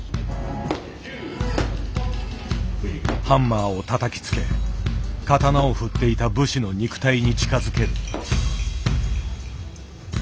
ハンマーをたたきつけ刀を振っていた武士の肉体に近づける。